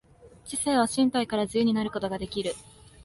知性は身体から自由になることができる。